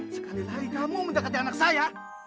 sekali lagi kamu mendekati anak saya